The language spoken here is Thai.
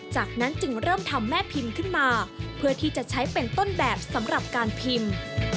จากนั้นจึงเริ่มทำแม่พิมพ์ขึ้นมาเพื่อที่จะใช้เป็นต้นแบบสำหรับการพิมพ์